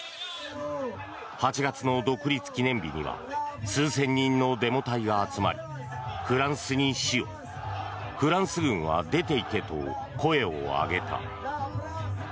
８月の独立記念日には数千人のデモ隊が集まりフランスに死をフランス軍は出ていけと声を上げた。